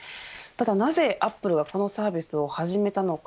なぜアップルがこのサービスを始めたのか。